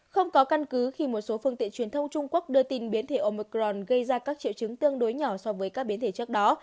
không có căn cứ khi một số phương tiện truyền thông trung quốc đưa tin biến thể omicron gây ra các triệu chứng tương đối nhỏ so với các biến thể trước đó